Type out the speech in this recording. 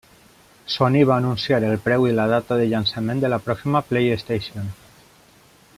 Sony va anunciar el preu i la data de llançament de la pròxima PlayStation.